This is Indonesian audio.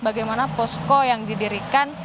bagaimana posko yang didirikan